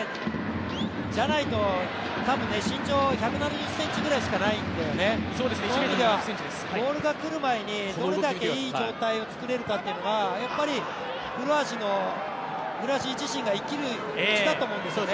じゃないと、多分身長１７０ｃｍぐらいしかないんでねボールがくる前にどれだけいい状態を作れるかっていうのは、やっぱり古橋自身が生きる道だと思うんですよね。